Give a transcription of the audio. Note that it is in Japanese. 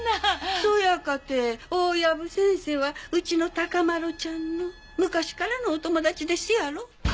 そやかて大藪先生はうちの孝麿ちゃんの昔からのお友達ですやろ？